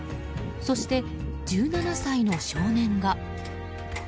そして、１７歳の少年が。